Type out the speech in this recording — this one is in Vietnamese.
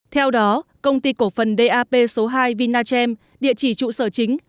theo đó công ty cổ phần dap số hai vinachem địa chỉ trụ sở chính